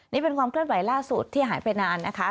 นี่เป็นความเคลื่อนไหวล่าสุดที่หายไปนานนะคะ